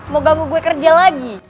mau ganggu gue kerja lagi